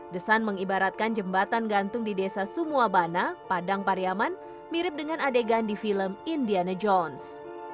the sun mengibaratkan jembatan gantung di desa sumuabana padang pariaman mirip dengan adegan di film indiana jones